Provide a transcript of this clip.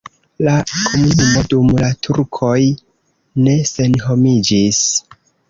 La komunumo dum la turkoj ne senhomiĝis.